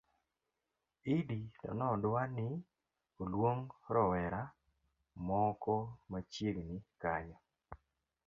Idi to nodwa ni olwong rowera moko machiegni kanyo